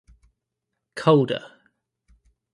Colder.